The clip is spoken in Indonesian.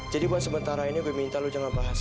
jadi buat sementara ini gue minta lo jangan bahas